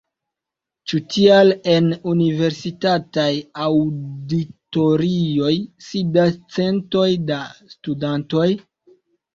Ĉu tial en universitataj aŭditorioj sidas centoj da studantoj?